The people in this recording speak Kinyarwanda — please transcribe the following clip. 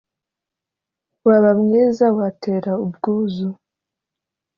Waba mwiza, watera ubwuzu,